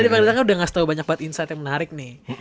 tadi pak erlangga udah ngasih tau banyak banget insight yang menarik nih